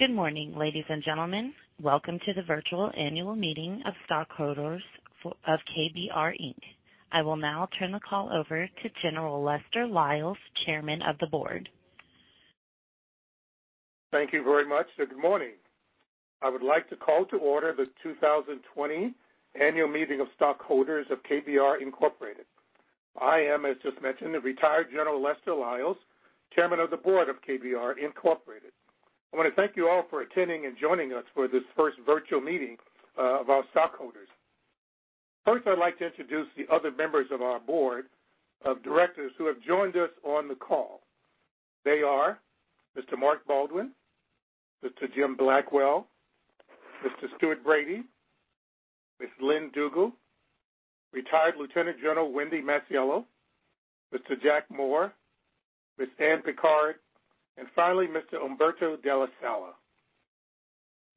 Good morning, ladies and gentlemen. Welcome to the virtual annual meeting of stockholders of KBR, Inc. I will now turn the call over to General Lester Lyles, Chairman of the Board. Thank you very much. I would like to call to order the 2020 annual meeting of stockholders of KBR, Inc. I am, as just mentioned, the Retired General Lester Lyles, Chairman of the Board of KBR, Inc. I want to thank you all for attending and joining us for this first virtual meeting of our stockholders. First, I'd like to introduce the other members of our Board of Directors who have joined us on the call. They are Mr. Mark Baldwin, Mr. Jim Blackwell, Mr. Stuart Bradie, Ms. Lynn Dugle, Retired Lieutenant General Wendy Masiello, Mr. Jack Moore, Ms. Ann Pickard, and finally, Mr. Umberto della Sala.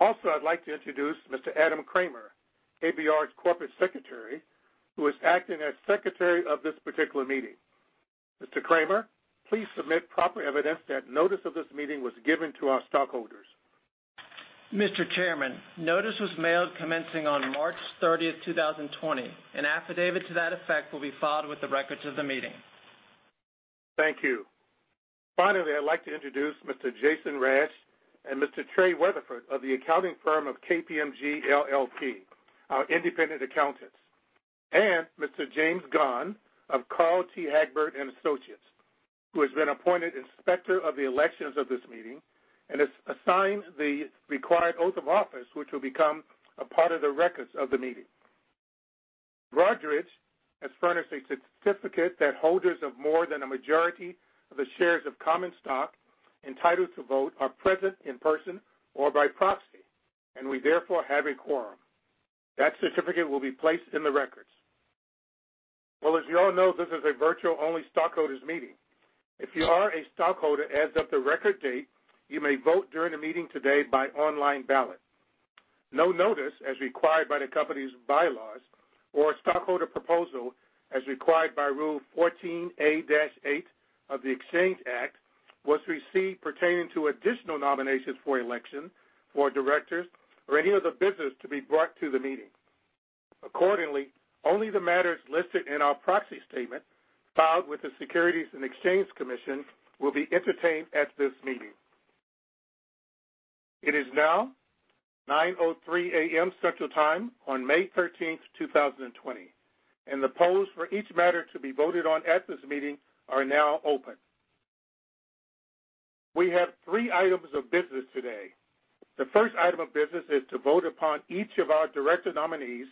Also, I'd like to introduce Mr. Adam Kramer, KBR's Corporate Secretary, who is acting as Secretary of this particular meeting. Mr. Kramer, please submit proper evidence that notice of this meeting was given to our stockholders. Mr. Chairman, notice was mailed commencing on March 30th, 2020. An affidavit to that effect will be filed with the records of the meeting. Thank you. Finally, I'd like to introduce Mr. Jason Rash and Mr. Trey Weatherford of the accounting firm of KPMG LLP, our independent accountants. Mr. James Gunn of Carl T. Hagberg & Associates, who has been appointed Inspector of the Elections of this meeting and has signed the required oath of office, which will become a part of the records of the meeting. Rodriguez has furnished a certificate that holders of more than a majority of the shares of common stock entitled to vote are present in person or by proxy, and we therefore have a quorum. That certificate will be placed in the records. Well, as you all know, this is a virtual-only stockholders meeting. If you are a stockholder as of the record date, you may vote during the meeting today by online ballot. No notice, as required by the company's bylaws or stockholder proposal as required by Rule 14a-8 of the Exchange Act, was received pertaining to additional nominations for election for directors or any other business to be brought to the meeting. Accordingly, only the matters listed in our proxy statement, filed with the Securities and Exchange Commission, will be entertained at this meeting. It is now 9:03 A.M. Central Time on May 13th, 2020, and the polls for each matter to be voted on at this meeting are now open. We have three items of business today. The first item of business is to vote upon each of our director nominees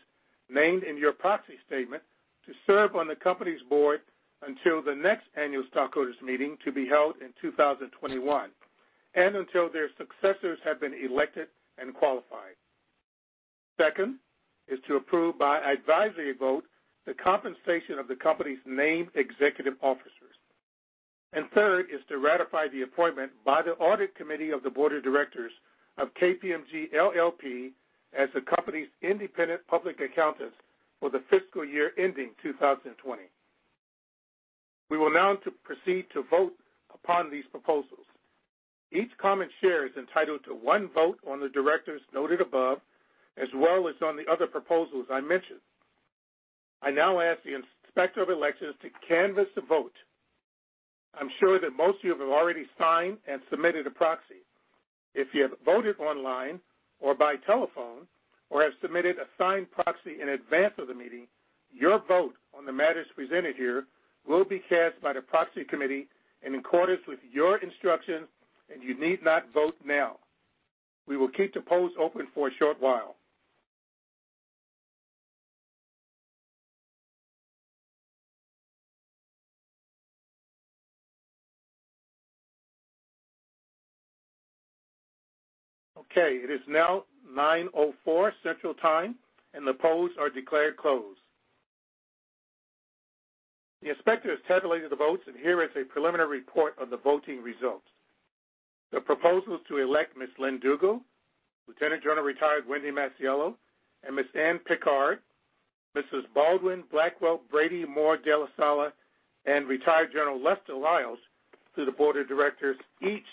named in your proxy statement to serve on the company's board until the next annual stockholders meeting to be held in 2021 and until their successors have been elected and qualified. Second is to approve by advisory vote the compensation of the company's named executive officers. Third is to ratify the appointment by the audit committee of the board of directors of KPMG LLP as the company's independent public accountant for the fiscal year ending 2020. We will now proceed to vote upon these proposals. Each common share is entitled to one vote on the directors noted above, as well as on the other proposals I mentioned. I now ask the inspector of elections to canvass the vote. I'm sure that most of you have already signed and submitted a proxy. If you have voted online or by telephone or have submitted a signed proxy in advance of the meeting, your vote on the matters presented here will be cast by the proxy committee and in accordance with your instructions, and you need not vote now. We will keep the polls open for a short while. It is now 9:04 A.M. Central Time, and the polls are declared closed. The inspector has tabulated the votes, and here is a preliminary report of the voting results. The proposals to elect Ms. Lynn Dugle, Retired Lieutenant General Wendy Masiello, Ms. Ann Pickard, Mr. Baldwin, Blackwell, Bradie, Moore, della Sala, and General Lester Lyles to the board of directors each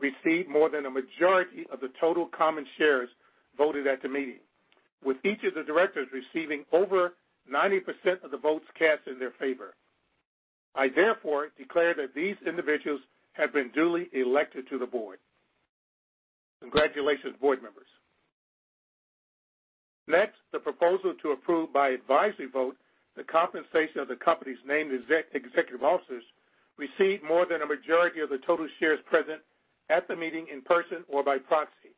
received more than a majority of the total common shares voted at the meeting, with each of the directors receiving over 90% of the votes cast in their favor. I therefore declare that these individuals have been duly elected to the board. Congratulations, board members. Next, the proposal to approve by advisory vote the compensation of the company's named executive officers received more than a majority of the total shares present at the meeting in person or by proxy,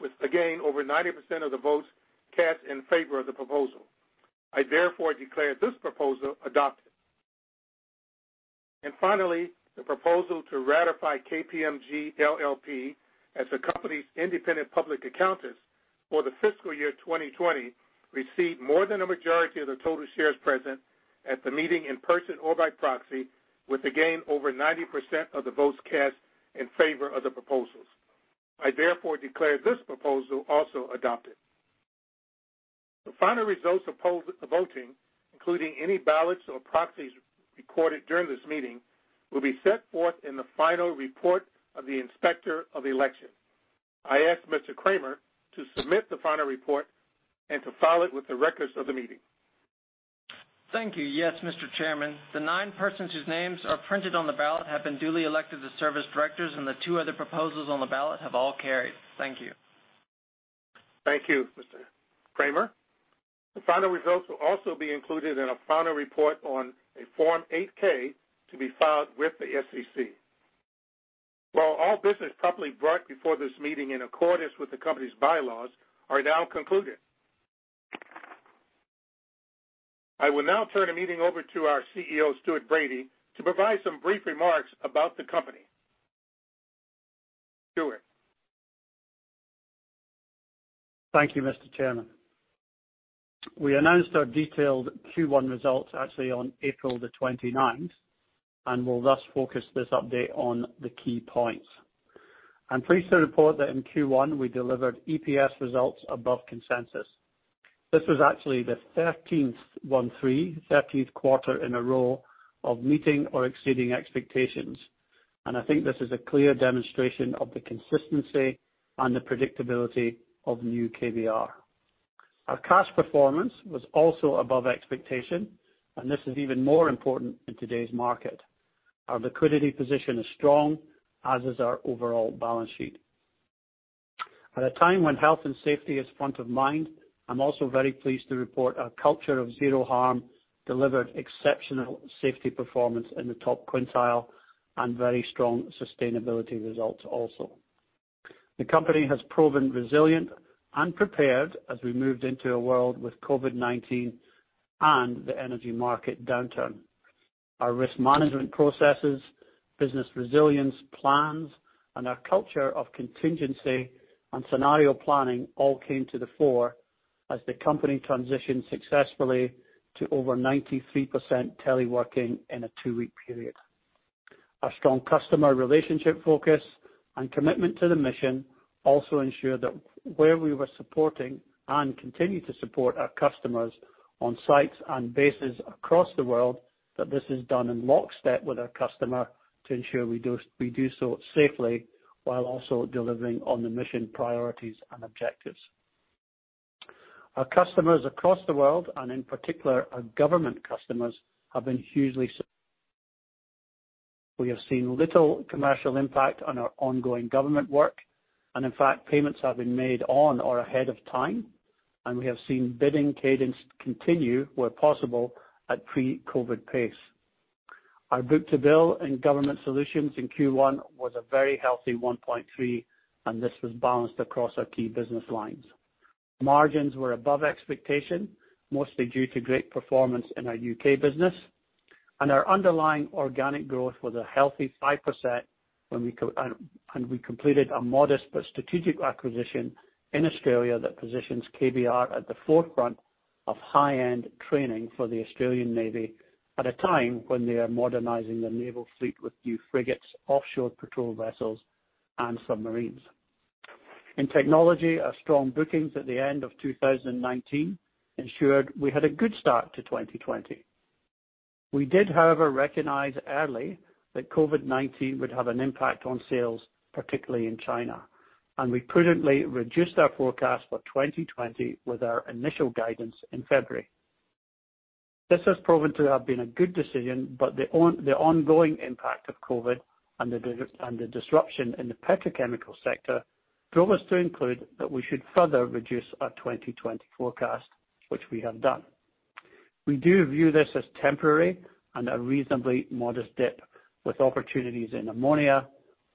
with again over 90% of the votes cast in favor of the proposal. I therefore declare this proposal adopted. Finally, the proposal to ratify KPMG LLP as the company's independent public accountant for the fiscal year 2020 received more than a majority of the total shares present at the meeting in person or by proxy, with again over 90% of the votes cast in favor of the proposals. I therefore declare this proposal also adopted. The final results of the voting, including any ballots or proxies recorded during this meeting, will be set forth in the final report of the Inspector of Election. I ask Mr. Kramer to submit the final report and to file it with the records of the meeting. Thank you. Yes, Mr. Chairman. The nine persons whose names are printed on the ballot have been duly elected to serve as directors, and the two other proposals on the ballot have all carried. Thank you. Thank you, Mr. Kramer. The final results will also be included in a final report on a Form 8-K to be filed with the SEC. Well, all business properly brought before this meeting in accordance with the company's bylaws are now concluded. I will now turn the meeting over to our CEO, Stuart Bradie, to provide some brief remarks about the company. Stuart. Thank you, Mr. Chairman. We announced our detailed Q1 results actually on April the 29th, and will thus focus this update on the key points. I'm pleased to report that in Q1, we delivered EPS results above consensus. This was actually the 13th, one, three, 13th quarter in a row of meeting or exceeding expectations, and I think this is a clear demonstration of the consistency and the predictability of new KBR. Our cash performance was also above expectation, and this is even more important in today's market. Our liquidity position is strong, as is our overall balance sheet. At a time when health and safety is front of mind, I'm also very pleased to report our culture of zero harm delivered exceptional safety performance in the top quintile and very strong sustainability results also. The company has proven resilient and prepared as we moved into a world with COVID-19 and the energy market downturn. Our risk management processes, business resilience plans, and our culture of contingency and scenario planning all came to the fore as the company transitioned successfully to over 93% teleworking in a two-week period. Our strong customer relationship focus and commitment to the mission also ensure that where we were supporting and continue to support our customers on sites and bases across the world, that this is done in lockstep with our customer to ensure we do so safely while also delivering on the mission priorities and objectives. Our customers across the world, and in particular our government customers, have been hugely. We have seen little commercial impact on our ongoing government work, and in fact, payments have been made on or ahead of time, and we have seen bidding cadence continue where possible at pre-COVID pace. Our book-to-bill in Government Solutions in Q1 was a very healthy 1.3, and this was balanced across our key business lines. Margins were above expectation, mostly due to great performance in our U.K. business, and our underlying organic growth was a healthy 5%, and we completed a modest but strategic acquisition in Australia that positions KBR at the forefront of high-end training for the Australian Navy at a time when they are modernizing their naval fleet with new frigates, offshore patrol vessels, and submarines. In technology, our strong bookings at the end of 2019 ensured we had a good start to 2020. We did, however, recognize early that COVID-19 would have an impact on sales, particularly in China, and we prudently reduced our forecast for 2020 with our initial guidance in February. This has proven to have been a good decision, but the ongoing impact of COVID and the disruption in the petrochemical sector drove us to conclude that we should further reduce our 2020 forecast, which we have done. We do view this as temporary and a reasonably modest dip, with opportunities in ammonia,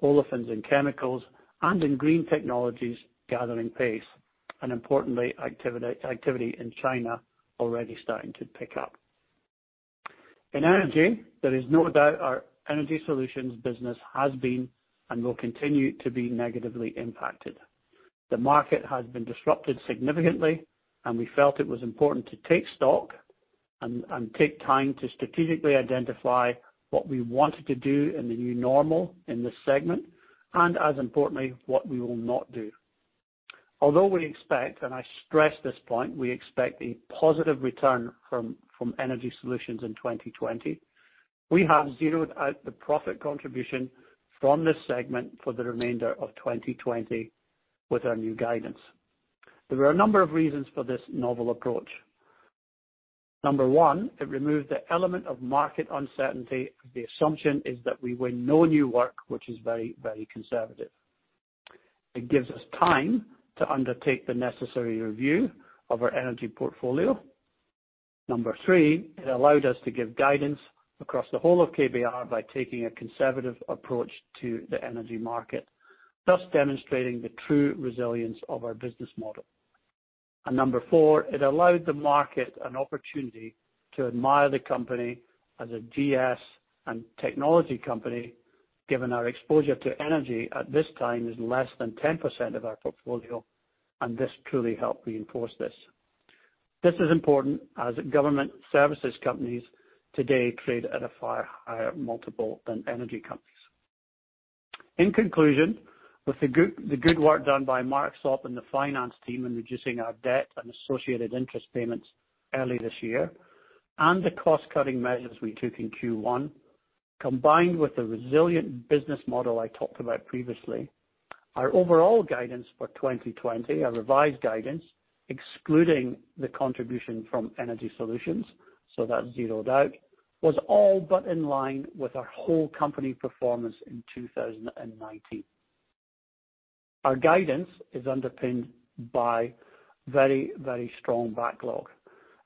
olefins and chemicals, and in green technologies gathering pace, and importantly, activity in China already starting to pick up. In energy, there is no doubt our Energy Solutions business has been and will continue to be negatively impacted. The market has been disrupted significantly, and we felt it was important to take stock and take time to strategically identify what we wanted to do in the new normal in this segment, and as importantly, what we will not do. Although we expect, and I stress this point, we expect a positive return from Energy Solutions in 2020, we have zeroed out the profit contribution from this segment for the remainder of 2020 with our new guidance. There are a number of reasons for this novel approach. Number 1, it removed the element of market uncertainty. The assumption is that we win no new work, which is very conservative. It gives us time to undertake the necessary review of our energy portfolio. Number three, it allowed us to give guidance across the whole of KBR by taking a conservative approach to the energy market, thus demonstrating the true resilience of our business model. Number four, it allowed the market an opportunity to admire the company as a GS and technology company, given our exposure to energy at this time is less than 10% of our portfolio. This truly helped reinforce this. This is important as government services companies today trade at a far higher multiple than energy companies. In conclusion, with the good work done by Mark Sopp and the finance team in reducing our debt and associated interest payments early this year and the cost-cutting measures we took in Q1, combined with the resilient business model I talked about previously, our overall guidance for 2020, our revised guidance, excluding the contribution from Energy Solutions, so that's zeroed out, was all but in line with our whole company performance in 2019. Our guidance is underpinned by very, very strong backlog.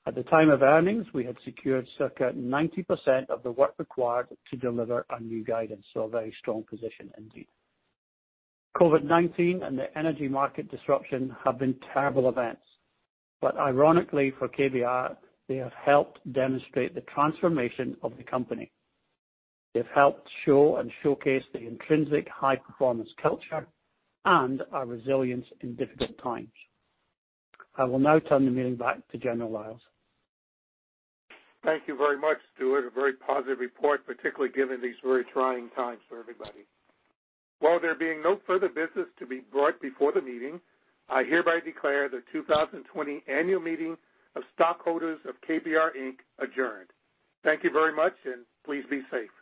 At the time of earnings, we had secured circa 90% of the work required to deliver our new guidance. A very strong position indeed. COVID-19 and the energy market disruption have been terrible events, ironically for KBR, they have helped demonstrate the transformation of the company. They've helped show and showcase the intrinsic high-performance culture and our resilience in difficult times. I will now turn the meeting back to General Lyles. Thank you very much, Stuart. A very positive report, particularly given these very trying times for everybody. While there being no further business to be brought before the meeting, I hereby declare the 2020 annual meeting of stockholders of KBR, Inc. adjourned. Thank you very much, and please be safe.